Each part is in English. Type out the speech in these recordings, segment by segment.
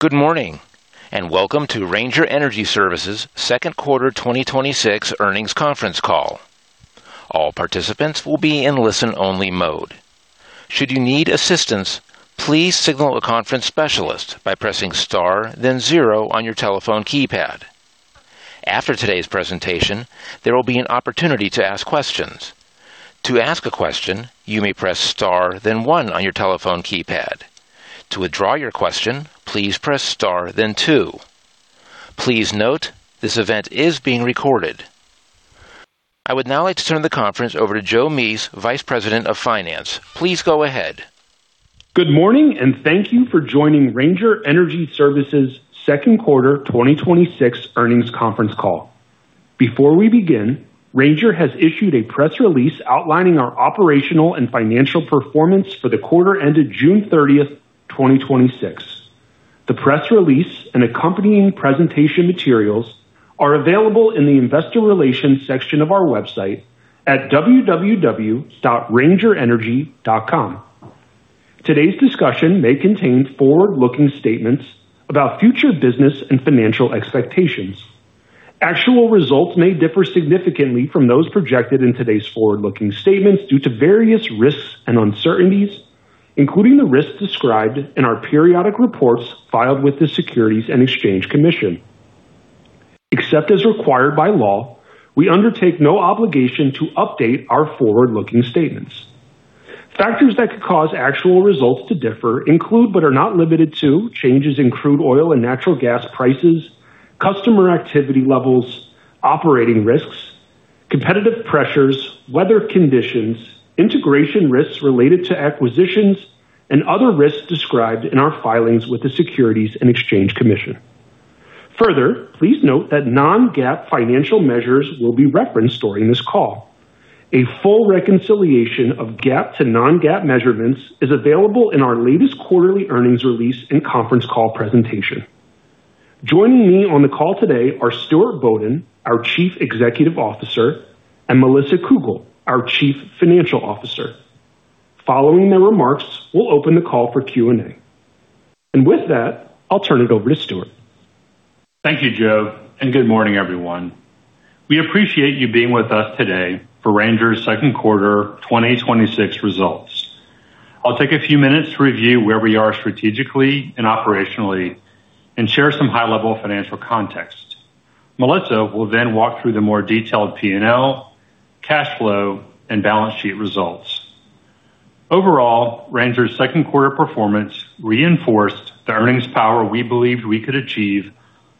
Good morning, and welcome to Ranger Energy Services' second quarter 2026 earnings conference call. All participants will be in listen-only mode. Should you need assistance, please signal a conference specialist by pressing star then zero on your telephone keypad. After today's presentation, there will be an opportunity to ask questions. To ask a question, you may press star then one on your telephone keypad. To withdraw your question, please press star then two. Please note, this event is being recorded. I would now like to turn the conference over to Joe Mease, Vice President of Finance. Please go ahead. Good morning, and thank you for joining Ranger Energy Services second quarter 2026 earnings conference call. Before we begin, Ranger has issued a press release outlining our operational and financial performance for the quarter ended June 30th, 2026. The press release and accompanying presentation materials are available in the investor relations section of our website at www.rangerenergy.com. Today's discussion may contain forward-looking statements about future business and financial expectations. Actual results may differ significantly from those projected in today's forward-looking statements due to various risks and uncertainties, including the risks described in our periodic reports filed with the Securities and Exchange Commission. Except as required by law, we undertake no obligation to update our forward-looking statements. Factors that could cause actual results to differ include, but are not limited to, changes in crude oil and natural gas prices, customer activity levels, operating risks, competitive pressures, weather conditions, integration risks related to acquisitions, and other risks described in our filings with the Securities and Exchange Commission. Further, please note that non-GAAP financial measures will be referenced during this call. A full reconciliation of GAAP to non-GAAP measurements is available in our latest quarterly earnings release and conference call presentation. Joining me on the call today are Stuart Bodden, our Chief Executive Officer, and Melissa Cougle, our Chief Financial Officer. Following their remarks, we'll open the call for Q&A. With that, I'll turn it over to Stuart. Thank you, Joe, and good morning, everyone. We appreciate you being with us today for Ranger's second quarter 2026 results. I'll take a few minutes to review where we are strategically and operationally and share some high-level financial context. Melissa will walk through the more detailed P&L, cash flow, and balance sheet results. Overall, Ranger's second quarter performance reinforced the earnings power we believed we could achieve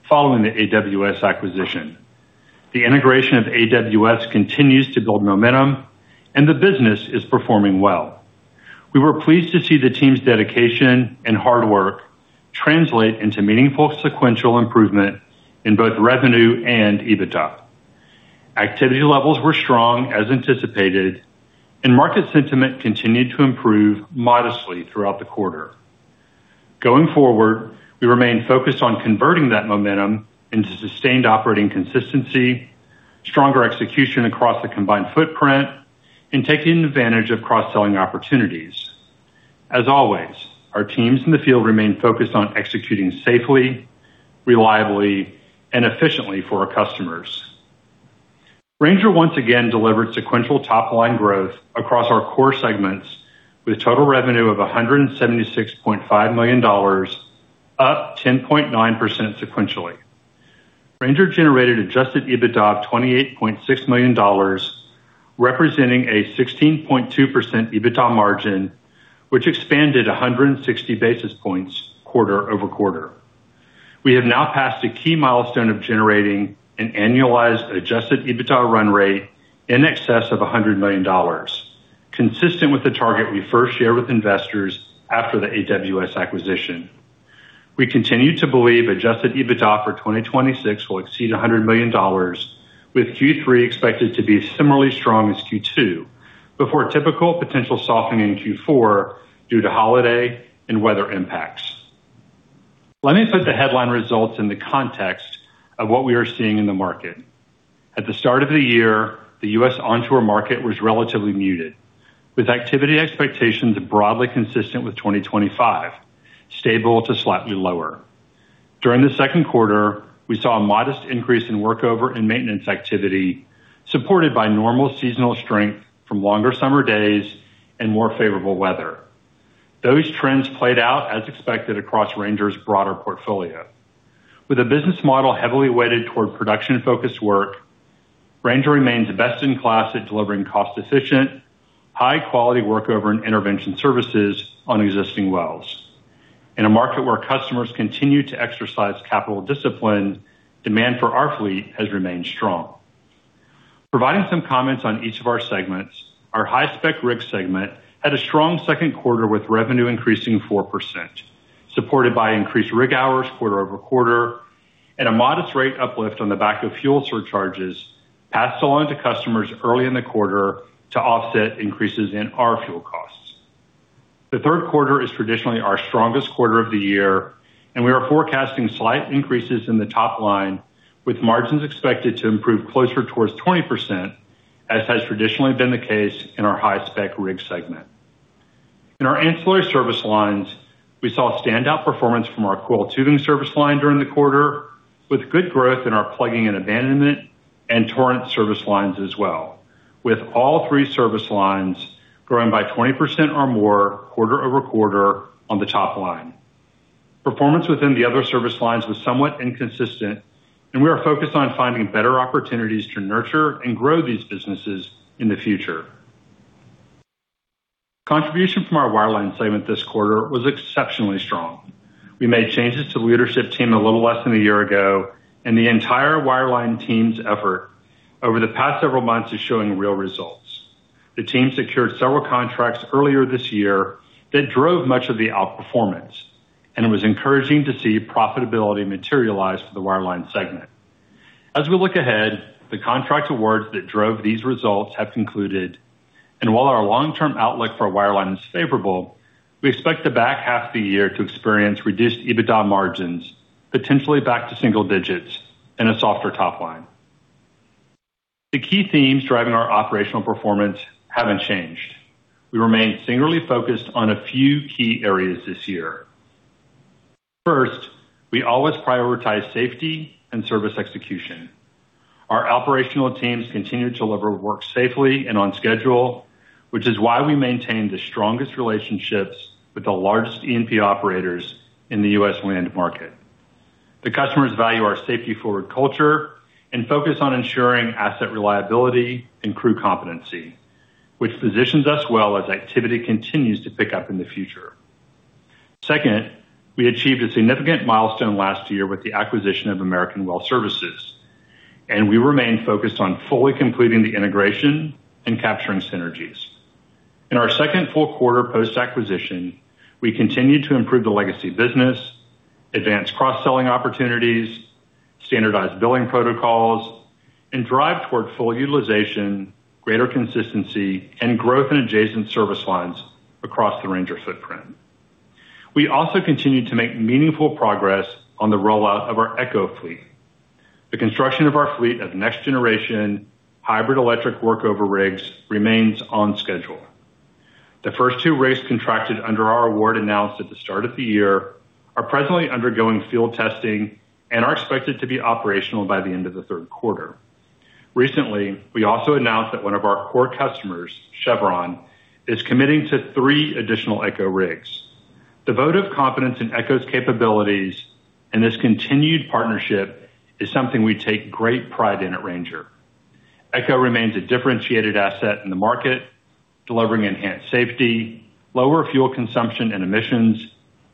following the AWS acquisition. The integration of AWS continues to build momentum, and the business is performing well. We were pleased to see the team's dedication and hard work translate into meaningful sequential improvement in both revenue and EBITDA. Activity levels were strong as anticipated, and market sentiment continued to improve modestly throughout the quarter. Going forward, we remain focused on converting that momentum into sustained operating consistency, stronger execution across the combined footprint, and taking advantage of cross-selling opportunities. As always, our teams in the field remain focused on executing safely, reliably, and efficiently for our customers. Ranger once again delivered sequential top-line growth across our core segments with a total revenue of $176.5 million, up 10.9% sequentially. Ranger generated adjusted EBITDA of $28.6 million, representing a 16.2% EBITDA margin, which expanded 160 basis points quarter-over-quarter. We have now passed a key milestone of generating an annualized adjusted EBITDA run rate in excess of $100 million, consistent with the target we first shared with investors after the AWS acquisition. We continue to believe adjusted EBITDA for 2026 will exceed $100 million, with Q3 expected to be similarly strong as Q2 before a typical potential softening in Q4 due to holiday and weather impacts. Let me put the headline results in the context of what we are seeing in the market. At the start of the year, the U.S. onshore market was relatively muted, with activity expectations broadly consistent with 2025, stable to slightly lower. During the second quarter, we saw a modest increase in workover and maintenance activity, supported by normal seasonal strength from longer summer days and more favorable weather. Those trends played out as expected across Ranger's broader portfolio. With a business model heavily weighted toward production-focused work, Ranger remains best in class at delivering cost-efficient, high-quality workover and intervention services on existing wells. In a market where customers continue to exercise capital discipline, demand for our fleet has remained strong. Providing some comments on each of our segments, our High-Spec Rig segment had a strong second quarter with revenue increasing 4%, supported by increased rig hours quarter-over-quarter and a modest rate uplift on the back of fuel surcharges passed along to customers early in the quarter to offset increases in our fuel costs. The third quarter is traditionally our strongest quarter of the year, and we are forecasting slight increases in the top line, with margins expected to improve closer towards 20%. As has traditionally been the case in our High-Spec Rig segment. In our Ancillary Services lines, we saw standout performance from our Coiled Tubing Services line during the quarter, with good growth in our plugging and abandonment and Torrent service lines as well, with all three service lines growing by 20% or more quarter-over-quarter on the top line. Performance within the other service lines was somewhat inconsistent, and we are focused on finding better opportunities to nurture and grow these businesses in the future. Contribution from our Wireline Services segment this quarter was exceptionally strong. We made changes to the leadership team a little less than a year ago, and the entire Wireline Services team's effort over the past several months is showing real results. The team secured several contracts earlier this year that drove much of the outperformance, and it was encouraging to see profitability materialize for the Wireline Services segment. As we look ahead, the contract awards that drove these results have concluded, and while our long-term outlook for Wireline Services is favorable, we expect the back half of the year to experience reduced EBITDA margins, potentially back to single digits, and a softer top line. The key themes driving our operational performance haven't changed. We remain singularly focused on a few key areas this year. First, we always prioritize safety and service execution. Our operational teams continue to deliver work safely and on schedule, which is why we maintain the strongest relationships with the largest E&P operators in the U.S. land market. The customers value our safety-forward culture and focus on ensuring asset reliability and crew competency, which positions us well as activity continues to pick up in the future. Second, we achieved a significant milestone last year with the acquisition of American Well Services, and we remain focused on fully completing the integration and capturing synergies. In our second full quarter post-acquisition, we continued to improve the legacy business, advance cross-selling opportunities, standardize billing protocols, and drive towards full utilization, greater consistency, and growth in adjacent service lines across the Ranger footprint. We also continued to make meaningful progress on the rollout of our ECHO fleet. The construction of our fleet of next-generation hybrid electric workover rigs remains on schedule. The first two rigs contracted under our award announced at the start of the year are presently undergoing field testing and are expected to be operational by the end of the third quarter. Recently, we also announced that one of our core customers, Chevron, is committing to three additional ECHO rigs. The vote of confidence in ECHO's capabilities and this continued partnership is something we take great pride in at Ranger. ECHO remains a differentiated asset in the market, delivering enhanced safety, lower fuel consumption and emissions,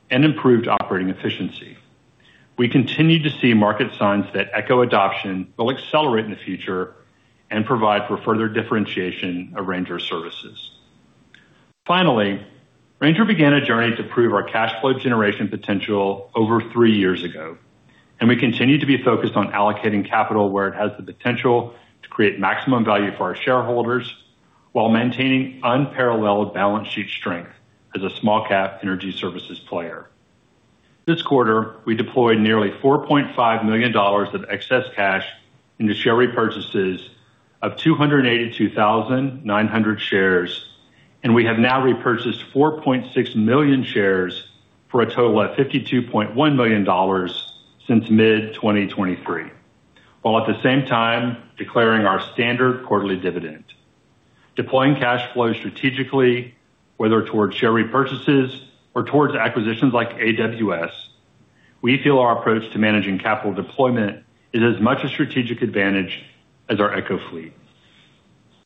and improved operating efficiency. We continue to see market signs that ECHO adoption will accelerate in the future and provide for further differentiation of Ranger services. Finally, Ranger began a journey to prove our cash flow generation potential over three years ago. We continue to be focused on allocating capital where it has the potential to create maximum value for our shareholders while maintaining unparalleled balance sheet strength as a small-cap energy services player. This quarter, we deployed nearly $4.5 million of excess cash into share repurchases of 282,900 shares. We have now repurchased 4.6 million shares for a total at $52.1 million since mid-2023, while at the same time declaring our standard quarterly dividend. Deploying cash flow strategically, whether towards share repurchases or towards acquisitions like AWS, we feel our approach to managing capital deployment is as much a strategic advantage as our ECHO fleet.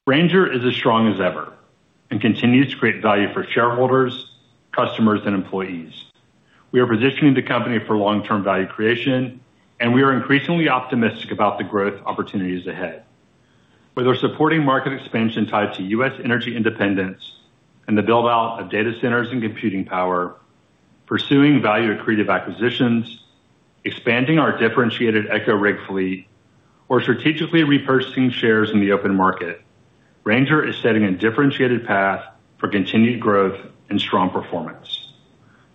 Ranger is as strong as ever and continues to create value for shareholders, customers, and employees. We are positioning the company for long-term value creation. We are increasingly optimistic about the growth opportunities ahead. Whether supporting market expansion tied to U.S. energy independence and the build-out of data centers and computing power, pursuing value-accretive acquisitions, expanding our differentiated ECHO rig fleet, or strategically repurchasing shares in the open market, Ranger is setting a differentiated path for continued growth and strong performance.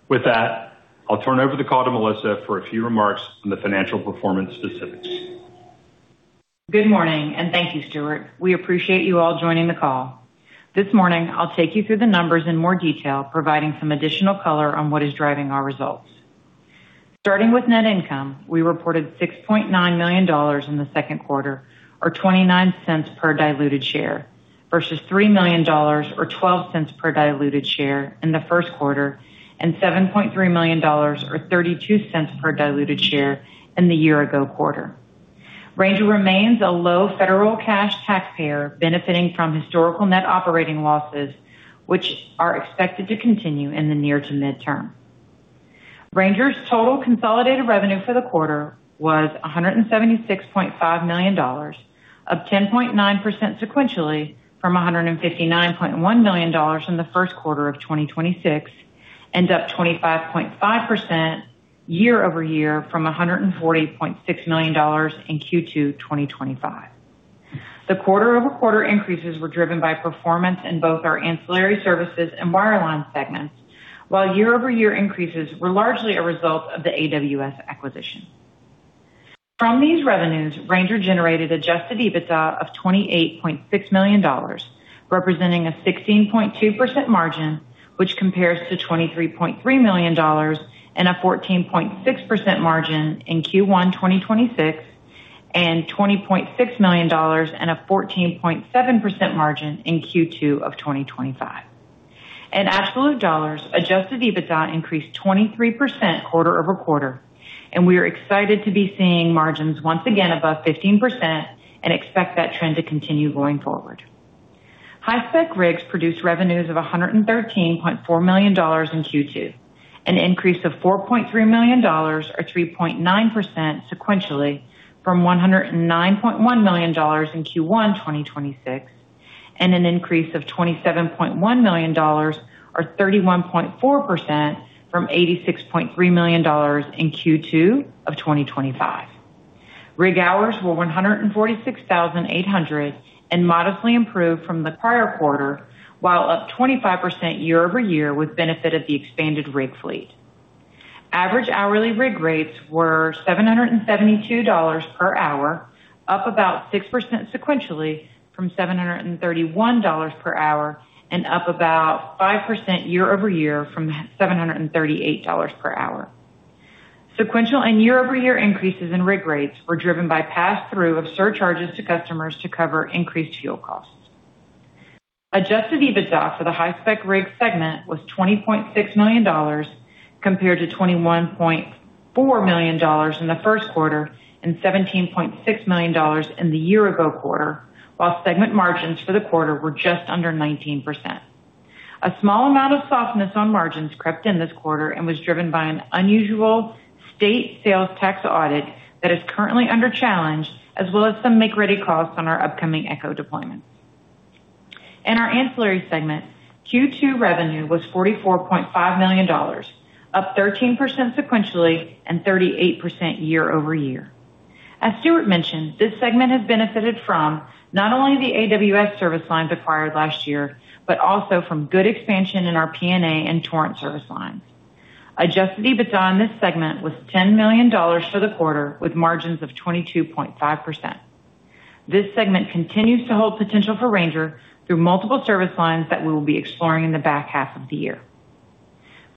With that, I'll turn over the call to Melissa for a few remarks on the financial performance specifics. Good morning. Thank you, Stuart. We appreciate you all joining the call. This morning, I'll take you through the numbers in more detail, providing some additional color on what is driving our results. Starting with net income, we reported $6.9 million in the second quarter or $0.29 per diluted share, versus $3 million or $0.12 per diluted share in the first quarter and $7.3 million or $0.32 per diluted share in the year-ago quarter. Ranger remains a low federal cash taxpayer benefiting from historical net operating losses, which are expected to continue in the near to midterm. Ranger's total consolidated revenue for the quarter was $176.5 million, up 10.9% sequentially from $159.1 million in the first quarter of 2026, and up 25.5% year-over-year from $140.6 million in Q2 2025. The quarter-over-quarter increases were driven by performance in both our Ancillary Services and Wireline Services segments, while year-over-year increases were largely a result of the AWS acquisition. From these revenues, Ranger generated adjusted EBITDA of $28.6 million, representing a 16.2% margin, which compares to $23.3 million and a 14.6% margin in Q1 2026, and $20.6 million and a 14.7% margin in Q2 of 2025. In absolute dollars, adjusted EBITDA increased 23% quarter-over-quarter. We are excited to be seeing margins once again above 15% and expect that trend to continue going forward. High-Spec Rigs produced revenues of $113.4 million in Q2, an increase of $4.3 million, or 3.9% sequentially from $109.1 million in Q1 2026, and an increase of $27.1 million, or 31.4%, from $86.3 million in Q2 of 2025. Rig hours were 146,800. Modestly improved from the prior quarter, while up 25% year-over-year with benefit of the expanded rig fleet. Average hourly rig rates were $772 per hour, up about 6% sequentially from $731 per hour and up about 5% year-over-year from $738 per hour. Sequential and year-over-year increases in rig rates were driven by pass-through of surcharges to customers to cover increased fuel costs. Adjusted EBITDA for the High-Spec Rigs segment was $20.6 million, compared to $21.4 million in the first quarter and $17.6 million in the year-ago quarter, while segment margins for the quarter were just under 19%. A small amount of softness on margins crept in this quarter and was driven by an unusual state sales tax audit that is currently under challenge, as well as some make-ready costs on our upcoming ECHO deployment. In our Ancillary Services segment, Q2 revenue was $44.5 million, up 13% sequentially and 38% year-over-year. As Stuart mentioned, this segment has benefited from not only the AWS service lines acquired last year, but also from good expansion in our P&A and Torrent service lines. Adjusted EBITDA on this segment was $10 million for the quarter, with margins of 22.5%. This segment continues to hold potential for Ranger through multiple service lines that we will be exploring in the back half of the year.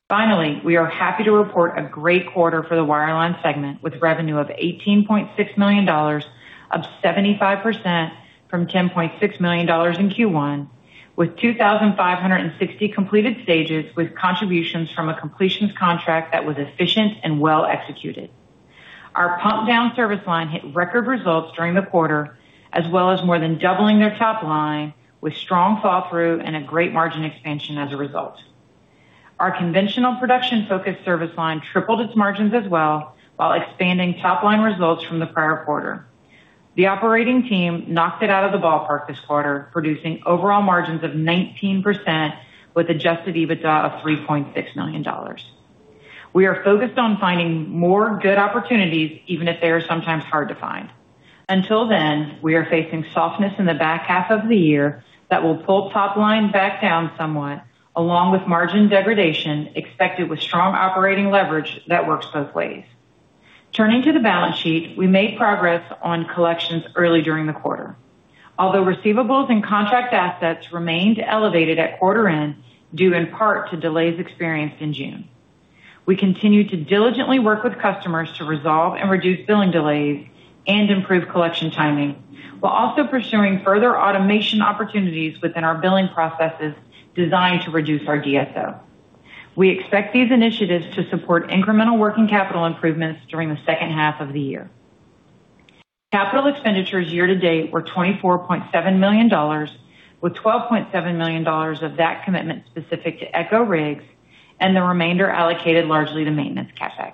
Finally, we are happy to report a great quarter for the Wireline Services segment, with revenue of $18.6 million, up 75% from $10.6 million in Q1, with 2,560 completed stages, with contributions from a completions contract that was efficient and well executed. Our pump down service line hit record results during the quarter, as well as more than doubling their top line with strong fall through and a great margin expansion as a result. Our conventional production-focused service line tripled its margins as well while expanding top line results from the prior quarter. The operating team knocked it out of the ballpark this quarter, producing overall margins of 19% with adjusted EBITDA of $3.6 million. We are focused on finding more good opportunities, even if they are sometimes hard to find. Until then, we are facing softness in the back half of the year that will pull top line back down somewhat, along with margin degradation expected with strong operating leverage that works both ways. Turning to the balance sheet, we made progress on collections early during the quarter. Receivables and contract assets remained elevated at quarter end, due in part to delays experienced in June. We continue to diligently work with customers to resolve and reduce billing delays and improve collection timing, while also pursuing further automation opportunities within our billing processes designed to reduce our DSO. We expect these initiatives to support incremental working capital improvements during the second half of the year. Capital expenditures year-to-date were $24.7 million, with $12.7 million of that commitment specific to ECHO rigs and the remainder allocated largely to maintenance CapEx.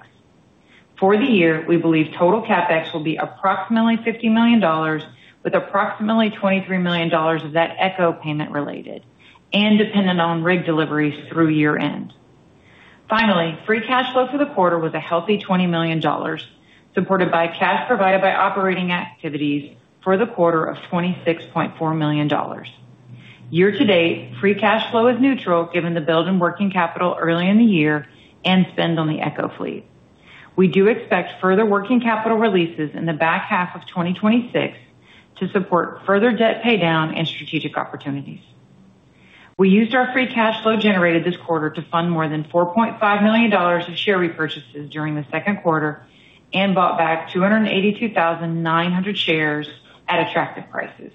For the year, we believe total CapEx will be approximately $50 million, with approximately $23 million of that ECHO payment related and dependent on rig deliveries through year end. Free cash flow for the quarter was a healthy $20 million, supported by cash provided by operating activities for the quarter of $26.4 million. Year-to-date, free cash flow is neutral given the build in working capital early in the year and spend on the ECHO fleet. We do expect further working capital releases in the back half of 2026 to support further debt paydown and strategic opportunities. We used our free cash flow generated this quarter to fund more than $4.5 million of share repurchases during the second quarter and bought back 282,900 shares at attractive prices.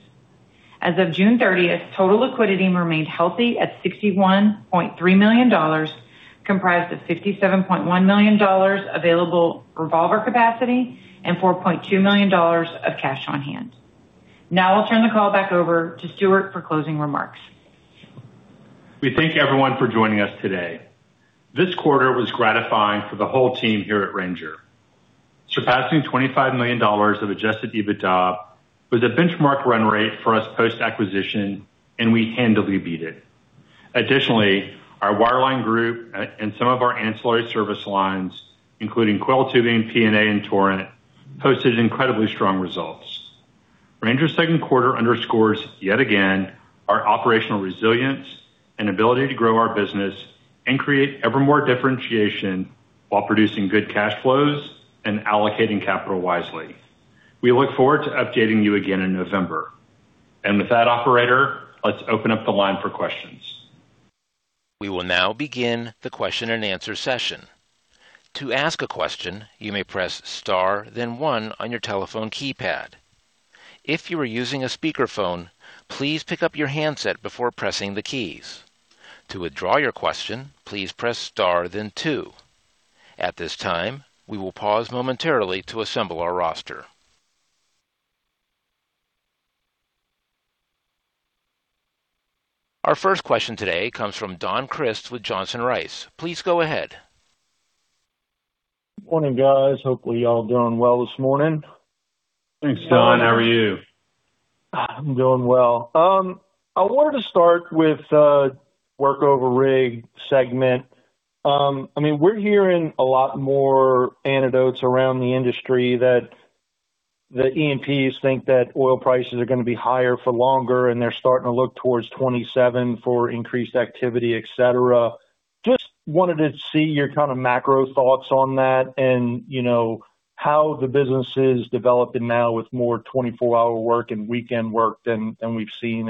As of June 30th, total liquidity remained healthy at $61.3 million, comprised of $57.1 million available revolver capacity and $4.2 million of cash on hand. I'll turn the call back over to Stuart for closing remarks. We thank everyone for joining us today. This quarter was gratifying for the whole team here at Ranger. Surpassing $25 million of adjusted EBITDA was a benchmark run rate for us post-acquisition, and we handily beat it. Additionally, our Wireline group and some of our Ancillary Services lines, including Coil Tubing, P&A, and Torrent, posted incredibly strong results. Ranger's second quarter underscores, yet again, our operational resilience and ability to grow our business and create ever more differentiation while producing good cash flows and allocating capital wisely. We look forward to updating you again in November. With that, operator, let's open up the line for questions. We will now begin the question-and-answer session. To ask a question, you may press star then one on your telephone keypad. If you are using a speakerphone, please pick up your handset before pressing the keys. To withdraw your question, please press star then two. At this time, we will pause momentarily to assemble our roster. Our first question today comes from Don Crist with Johnson Rice. Please go ahead. Morning, guys. Hopefully, y'all doing well this morning. Thanks, Don. How are you? I'm doing well. I wanted to start with workover rig segment. We're hearing a lot more anecdotes around the industry that the E&Ps think that oil prices are gonna be higher for longer, and they're starting to look towards 2027 for increased activity, et cetera. Just wanted to see your macro thoughts on that and how the business is developing now with more 24-hour work and weekend work than we've seen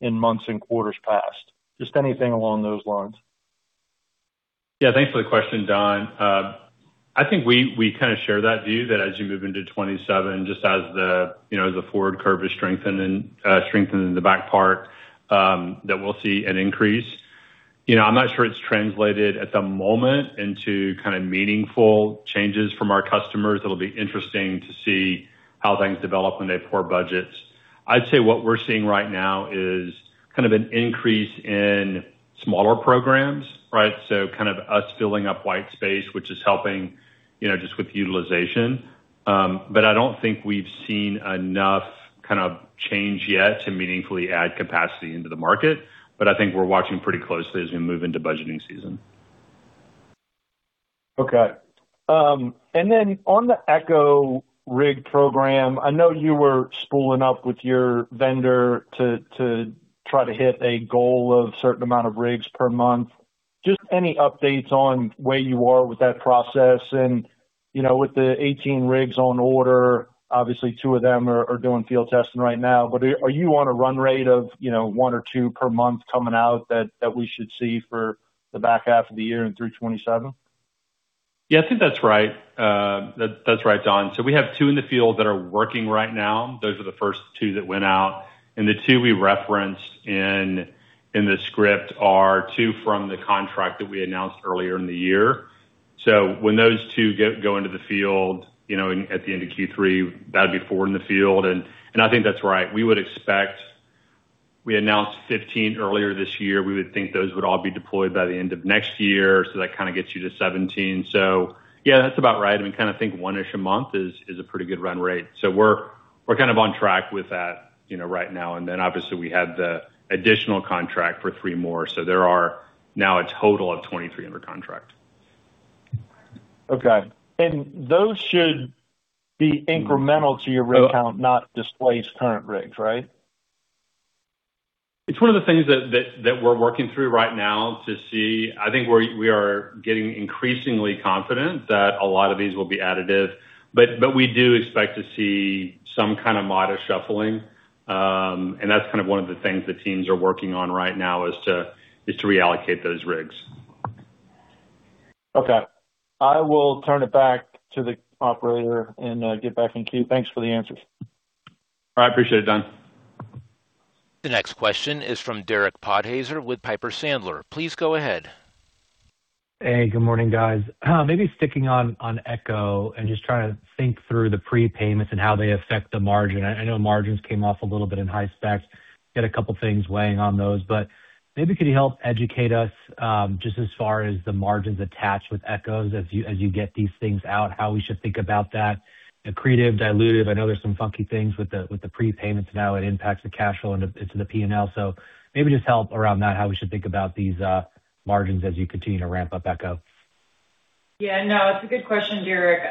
in months and quarters past. Just anything along those lines. Yeah, thanks for the question, Don. I think we share that view, that as you move into 2027, just as the forward curve is strengthening the back part, that we'll see an increase. I'm not sure it's translated at the moment into meaningful changes from our customers. It'll be interesting to see how things develop when they pour budgets. I'd say what we're seeing right now is an increase in smaller programs, right? Us filling up white space, which is helping just with utilization. I don't think we've seen enough change yet to meaningfully add capacity into the market. I think we're watching pretty closely as we move into budgeting season. Okay. Then on the ECHO rig program, I know you were spooling up with your vendor to try to hit a goal of certain amount of rigs per month. Just any updates on where you are with that process and with the 18 rigs on order, obviously two of them are doing field testing right now. Are you on a run rate of one or two per month coming out that we should see for the back half of the year and through 2027? I think that's right. That's right, Don. We have two in the field that are working right now. Those are the first two that went out. The two we referenced in the script are two from the contract that we announced earlier in the year. When those two go into the field at the end of Q3, that'd be four in the field. I think that's right. We announced 15 earlier this year. We would think those would all be deployed by the end of next year, so that gets you to 17. Yeah, that's about right. We think one-ish a month is a pretty good run rate. We're on track with that right now. Then obviously, we had the additional contract for three more. There are now a total of 23 under contract. Okay. Those should be incremental to your rig count, not displace current rigs, right? It's one of the things that we're working through right now to see. I think we are getting increasingly confident that a lot of these will be additive, but we do expect to see some kind of modest shuffling. That's one of the things the teams are working on right now, is to reallocate those rigs. Okay. I will turn it back to the operator and get back in queue. Thanks for the answers. All right. Appreciate it, Don. The next question is from Derek Podhaizer with Piper Sandler. Please go ahead. Hey, good morning, guys. Maybe sticking on ECHO and just trying to think through the prepayments and how they affect the margin. I know margins came off a little bit in high specs. Got a couple things weighing on those, but maybe could you help educate us, just as far as the margins attached with ECHO as you get these things out, how we should think about that? Accretive, dilutive, I know there's some funky things with the prepayments now. It impacts the cash flow into the P&L. Maybe just help around that, how we should think about these margins as you continue to ramp up ECHO. Yeah, no, it's a good question, Derek.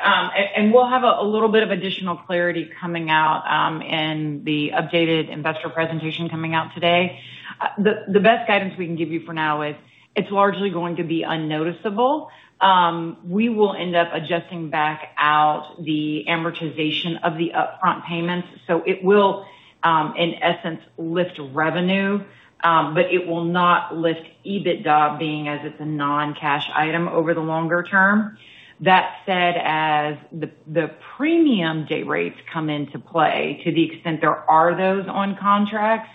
We'll have a little bit of additional clarity coming out in the updated investor presentation coming out today. The best guidance we can give you for now is it's largely going to be unnoticeable. We will end up adjusting back out the amortization of the upfront payments, so it will, in essence, lift revenue, but it will not lift EBITDA, being as it's a non-cash item over the longer term. That said, as the premium day rates come into play, to the extent there are those on contracts,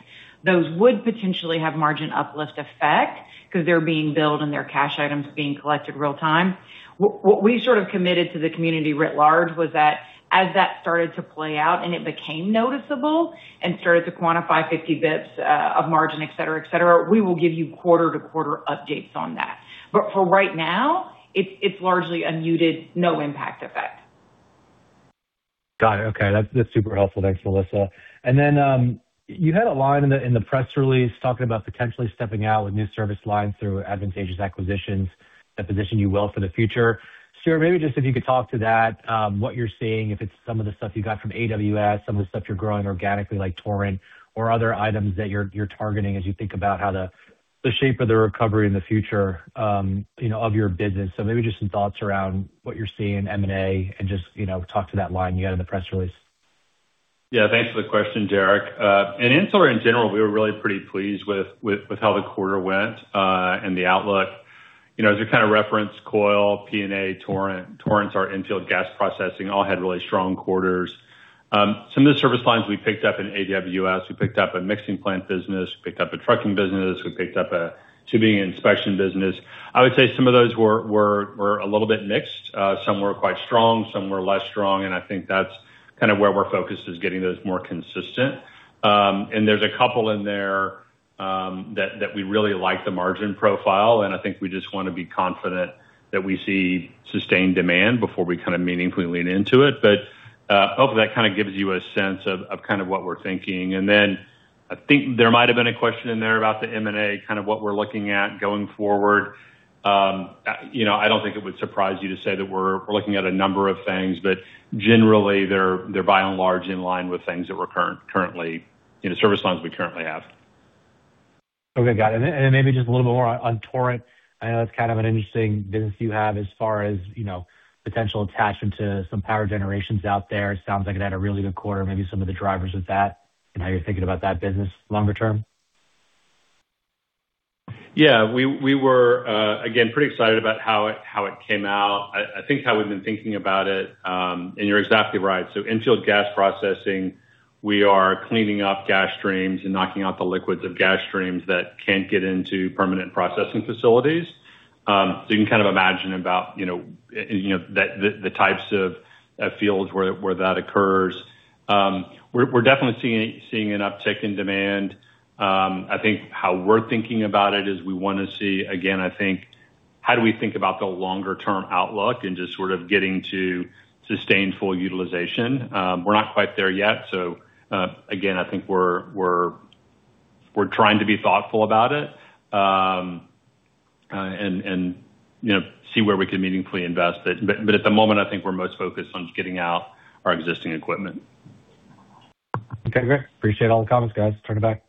those would potentially have margin uplift effect because they're being billed and they're cash items being collected real time. What we committed to the community writ large was that as that started to play out and it became noticeable and started to quantify 50 basis points of margin, et cetera, we will give you quarter-to-quarter updates on that. For right now, it's largely a muted, no impact effect. Got it. Okay. That's super helpful. Thanks, Melissa. Then you had a line in the press release talking about potentially stepping out with new service lines through advantageous acquisitions that position you well for the future. Stuart, maybe just if you could talk to that, what you're seeing, if it's some of the stuff you got from AWS, some of the stuff you're growing organically like Torrent, or other items that you're targeting as you think about how the shape of the recovery in the future of your business. Maybe just some thoughts around what you're seeing in M&A and just talk to that line you had in the press release. Yeah, thanks for the question, Derek. In Ancillary, in general, we were really pretty pleased with how the quarter went, and the outlook. As you kind of referenced, Coil, P&A, Torrent. Torrent's our infield gas processing, all had really strong quarters. Some of the service lines we picked up in AWS, we picked up a mixing plant business, we picked up a trucking business, we picked up a tubing inspection business. I would say some of those were a little bit mixed. Some were quite strong, some were less strong, and I think that's kind of where we're focused, is getting those more consistent. There's a couple in there that we really like the margin profile, and I think we just want to be confident that we see sustained demand before we kind of meaningfully lean into it. Hopefully that kind of gives you a sense of what we're thinking. I think there might've been a question in there about the M&A, kind of what we're looking at going forward. I don't think it would surprise you to say that we're looking at a number of things, but generally they're by and large in line with things that service lines we currently have. Okay, got it. Maybe just a little bit more on Torrent. I know that's kind of an interesting business you have as far as potential attachment to some power generations out there. It sounds like it had a really good quarter, maybe some of the drivers of that and how you're thinking about that business longer term. Yeah. We were, again, pretty excited about how it came out. I think how we've been thinking about it, and you're exactly right. Infield gas processing, we are cleaning up gas streams and knocking out the liquids of gas streams that can't get into permanent processing facilities. You can kind of imagine about the types of fields where that occurs. We're definitely seeing an uptick in demand. I think how we're thinking about it is we want to see, again, I think, how do we think about the longer term outlook into sort of getting to sustained full utilization? We're not quite there yet. Again, I think we're trying to be thoughtful about it, and see where we can meaningfully invest. At the moment, I think we're most focused on getting out our existing equipment. Okay, great. Appreciate all the comments, guys. Turn it back.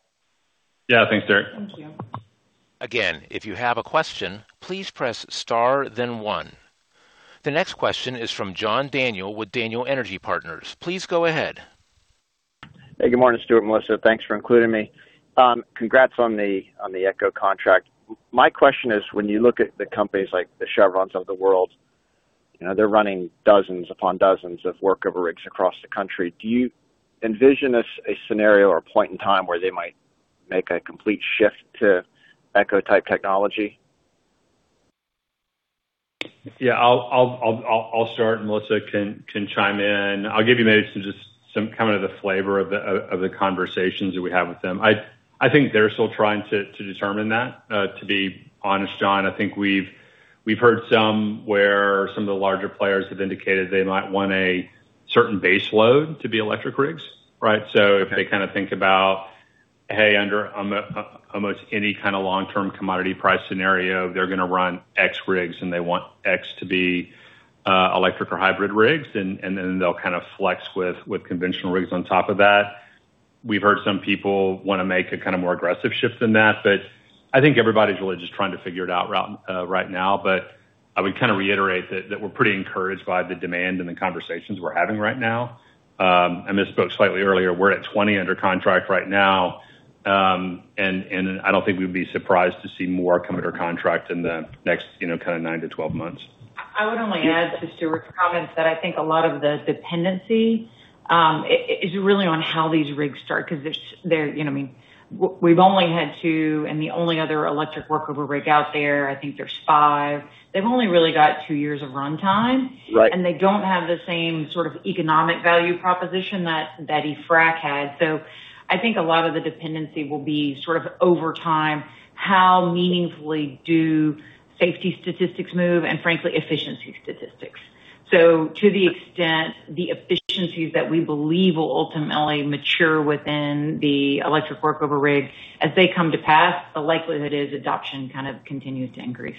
Yeah, thanks, Derek. Thank you. Again, if you have a question, please press star then one. The next question is from John Daniel with Daniel Energy Partners. Please go ahead. Hey, good morning, Stuart, Melissa. Thanks for including me. Congrats on the ECHO contract. My question is, when you look at the companies like the Chevrons of the world, they're running dozens upon dozens of workover rigs across the country. Do you envision a scenario or a point in time where they might make a complete shift to ECHO type technology? Yeah, I'll start, Melissa can chime in. I'll give you maybe just some kind of the flavor of the conversations that we have with them. I think they're still trying to determine that, to be honest, John. I think we've heard some where some of the larger players have indicated they might want a certain base load to be electric rigs, right? If they kind of think about, hey, under almost any kind of long-term commodity price scenario, they're gonna run X rigs, and they want X to be electric or hybrid rigs, and then they'll kind of flex with conventional rigs on top of that. We've heard some people want to make a kind of more aggressive shift than that, I think everybody's really just trying to figure it out right now. I would kind of reiterate that we're pretty encouraged by the demand and the conversations we're having right now. I misspoke slightly earlier. We're at 20 under contract right now. I don't think we'd be surprised to see more come under contract in the next kind of nine to 12 months. I would only add to Stuart's comments that I think a lot of the dependency is really on how these rigs start, because we've only had two, and the only other electric workover rig out there, I think there's five. They've only really got two years of runtime. Right. They don't have the same sort of economic value proposition that a frac had. I think a lot of the dependency will be sort of over time, how meaningfully do safety statistics move, and frankly, efficiency statistics. To the extent the efficiencies that we believe will ultimately mature within the electric workover rig, as they come to pass, the likelihood is adoption kind of continues to increase.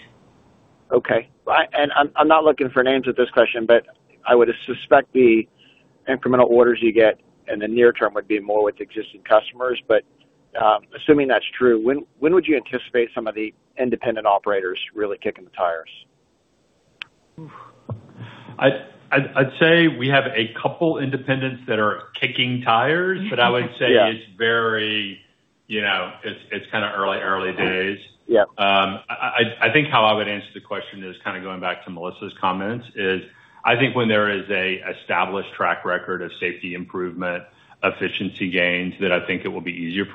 Okay. I'm not looking for names with this question, I would suspect the incremental orders you get in the near term would be more with existing customers. Assuming that's true, when would you anticipate some of the independent operators really kicking the tires? I'd say we have a couple independents that are kicking tires, I would say it's kind of early days. Yeah. I think how I would answer the question is kind of going back to Melissa's comments, is I think when there is a established track record of safety improvement, efficiency gains, that I think it will be easier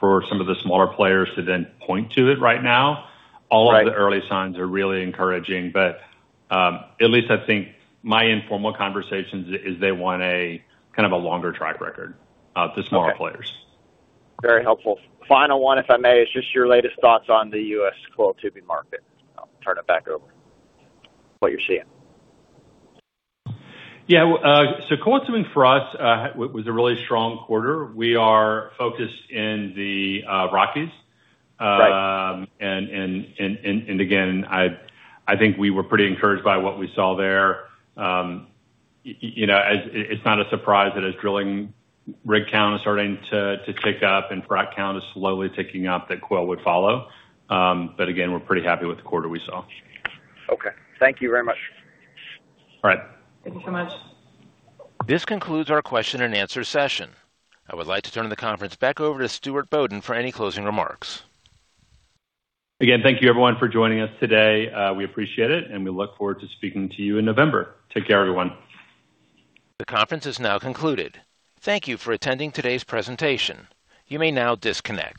for some of the smaller players to then point to it right now. Right. All of the early signs are really encouraging, at least I think my informal conversations is they want a kind of a longer track record, the smaller players. Okay. Very helpful. Final one, if I may, is just your latest thoughts on the U.S. Coil Tubing market. I'll turn it back over. What you're seeing? Yeah. Coil Tubing for us was a really strong quarter. We are focused in the Rockies. Right. Again, I think we were pretty encouraged by what we saw there. It's not a surprise that as drilling rig count is starting to tick up and frac count is slowly ticking up, that Coil would follow. Again, we're pretty happy with the quarter we saw. Okay. Thank you very much. All right. Thank you so much. This concludes our question-and-answer session. I would like to turn the conference back over to Stuart Bodden for any closing remarks. Again, thank you everyone for joining us today. We appreciate it. We look forward to speaking to you in November. Take care, everyone. The conference is now concluded. Thank you for attending today's presentation. You may now disconnect.